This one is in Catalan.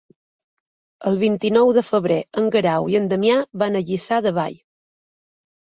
El vint-i-nou de febrer en Guerau i en Damià van a Lliçà de Vall.